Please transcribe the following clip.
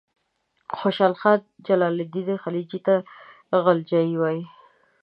خوشحال خان جلال الدین خلجي ته غلجي وایي.